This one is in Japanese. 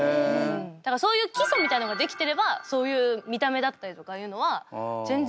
だからそういう基礎みたいなのができてればそういう見た目だったりとかいうのは全然好きなことやらせてくれてた。